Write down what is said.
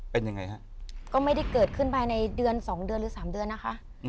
เป็นยังไงฮะก็ไม่ได้เกิดขึ้นภายในเดือนสองเดือนหรือสามเดือนนะคะ